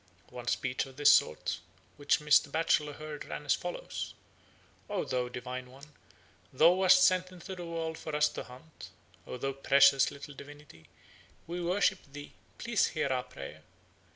One speech of this sort which Mr. Batchelor heard ran as follows: "O thou divine one, thou wast sent into the world for us to hunt. O thou precious little divinity, we worship thee; pray hear our prayer.